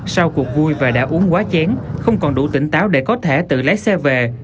sau cuộc vui và đã uống quá chén không còn đủ tỉnh táo để có thể tự lái xe về